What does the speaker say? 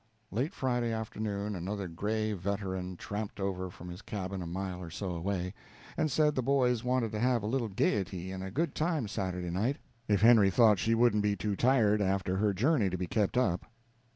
Late Friday afternoon another gray veteran tramped over from his cabin a mile or so away, and said the boys wanted to have a little gaiety and a good time Saturday night, if Henry thought she wouldn't be too tired after her journey to be kept up.